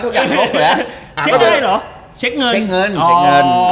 เช็คอะไรเหรอเช็คเงิน